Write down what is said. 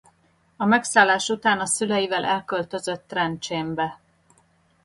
A megszállás után a szüleivel elköltözött Trencsénbe.